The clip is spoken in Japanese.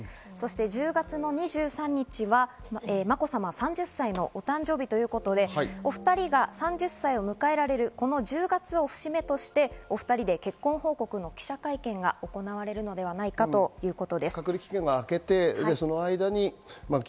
１０月の２３日は、まこさまは３０歳のお誕生日ということで、お２人が３０歳を迎えられる、この１０月を節目としてお２人で結婚報告の記者会見が行われるのではないかということです。